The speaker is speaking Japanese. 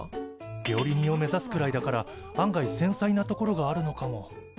料理人を目指すくらいだから案外せんさいなところがあるのかも。